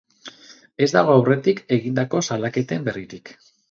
Ez dago aurretik egindako salaketen berririk.